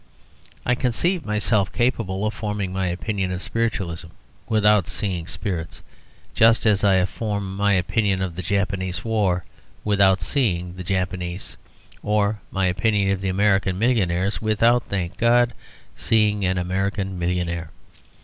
I conceive myself capable of forming my opinion of Spiritualism without seeing spirits, just as I form my opinion of the Japanese War without seeing the Japanese, or my opinion of American millionaires without (thank God) seeing an American millionaire.